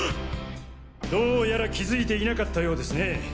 どうやら気づいていなかったようですね？